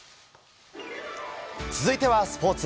続いてはスポーツ。